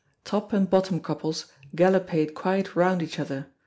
Top and bottom couples galopade quite round each other.